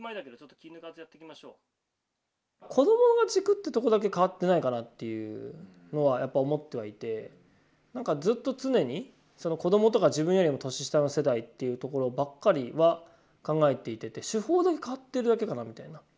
子どもが軸ってとこだけ変わってないかなっていうのはやっぱ思ってはいてなんかずっと常に子どもとか自分よりも年下の世代っていうところばっかりは考えていてて手法だけ変わってるだけかなみたいな。